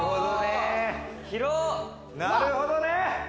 なるほどね！